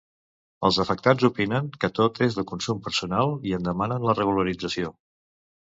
Els afectats opinen que tot és de consum personal i en demanen la regularització.